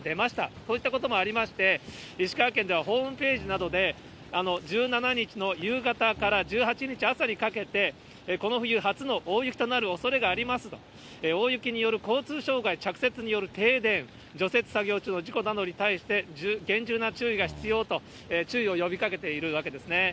こういったこともありまして、石川県ではホームページなどで１７日の夕方から１８日朝にかけて、この冬初の大雪となるおそれがありますと、大雪による交通障害、着雪による停電、除雪作業中の事故などに対して、厳重な注意が必要と、注意を呼びかけているわけですね。